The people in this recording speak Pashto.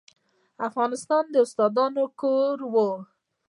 افغانستان د استادانو کور و.